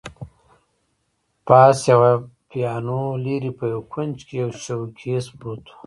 پاس یوه پیانو، لیري په یوه کونج کي یو شوکېز پروت وو.